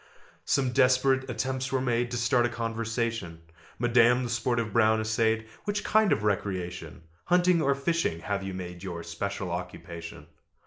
Some desperate attempts were made To start a conversation; "Madam," the sportive Brown essayed, "Which kind of recreation, Hunting or fishing, have you made Your special occupation?"